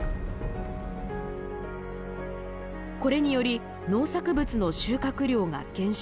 これにより農作物の収穫量が減少。